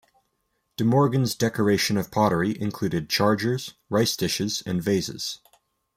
De Morgan's decoration of pottery included chargers, rice dishes and vases.